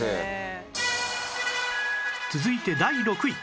続いて第６位